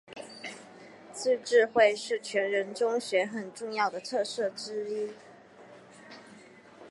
自治会是全人中学很重要的特色之一。